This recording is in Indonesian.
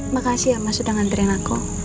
makasih ya mas sudah nganterin aku